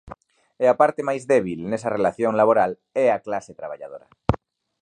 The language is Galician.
E a parte máis débil nesa relación laboral é a clase traballadora.